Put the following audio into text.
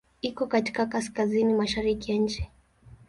Iko katika kaskazini-mashariki ya nchi.